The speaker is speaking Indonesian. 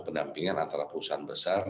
pendampingan antara perusahaan besar